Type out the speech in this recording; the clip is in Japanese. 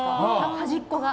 端っこが。